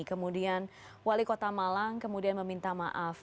kemudian wali kota malang kemudian meminta maaf